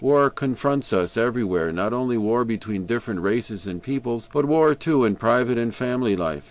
War confronts us everywhere, not only war between different races and peoples, but war too, in private and family life.